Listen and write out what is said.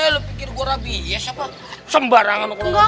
lo pikir gue rabies apa sembarangan sama kawan kawan